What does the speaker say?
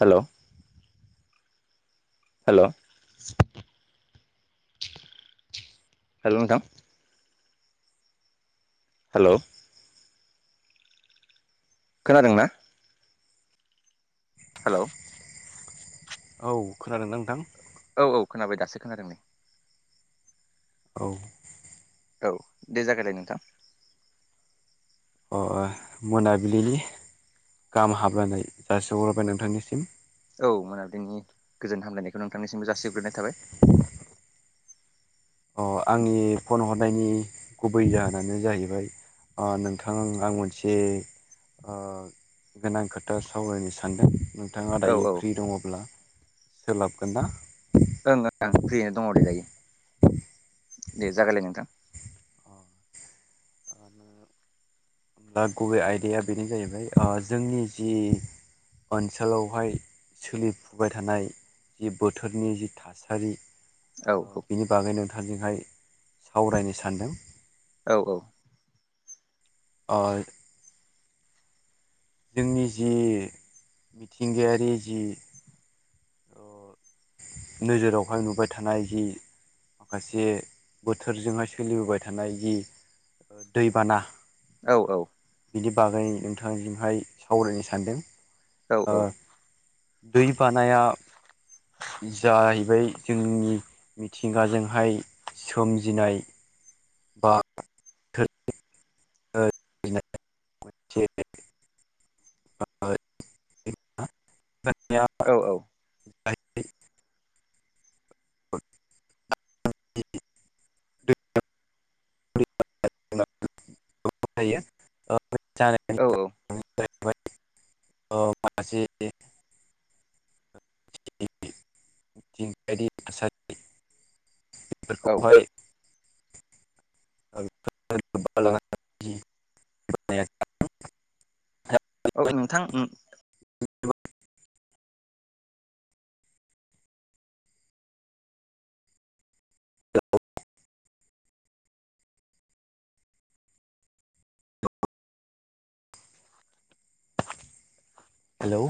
Hello hello hello नोंथां। Hello खोनादोंना? Hello औ खोनादोंना नोंथां? औ औ खोनाबाय दासो खोनादों नै। औ। औ दे जागायलाय नोंथां। मोनाबिलिनि गाहाम हाबलायनाय जासिहरबाय नोंथांनिसिम। औ मोनाबिलिनि गोजोन हामलायनायखौ नोंथांनिसिमबो जासिग्रोनाय थाबाय। अ आंनि फन हरनायनि गुबै जाहोनानो जाहैबाय नोंथां आं मोनसे ओ गोनां खोथा सावरायनो सानदों। नोंथाङा औ दायो औ ओं फ्रि दङब्ला सोलाबगोन ना। ओं ओं ओं फ्रियैनो दङ दे दायो दे जागायलाय नोंथां। होमब्ला गुबै आयदाया बेनो जाहैबाय जोंनि जि ओनसोलावहाय सोलिफुबाय थानाय जि बोथोरनि जि थासारि औ ओ बिनि बागै नोंथांजोंहाय सावरायनो सानदों। औ औ। ओ जोंनि जि मिथिंगायारि जि ओ [unintelligible] नोजोरावहाय नुबाय थानाय जि माखासे बोथोरजोंहाय सोलिबोबाय थानाय जि दैबाना औ औ। बिनि बागै नोंथांजोंहाय सावरायनो सानदों औ ओ औ। दै बानाया [unintelligible] जाहैबाय जोंनि मिथिंगाजोंहाय सोमजिनाय बा [unintelligible] [unintelligible] औ औ। [unintelligible] [unintelligible] औ [unintelligible] [unintelligible] [unintelligible] औ [unintelligible] [unintelligible] औ नोंथां। हेलौ।